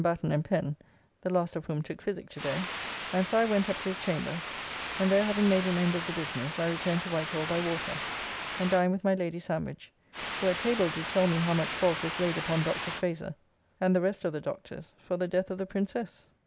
Batten and Pen (the last of whom took physic to day), and so I went up to his chamber, and there having made an end of the business I returned to White Hall by water, and dined with my Lady Sandwich, who at table did tell me how much fault was laid upon Dr. Frazer and the rest of the Doctors, for the death of the Princess!